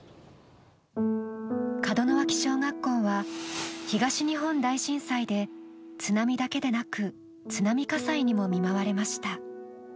門脇小学校は、東日本大震災で津波だけでなく津波火災にも見舞われました。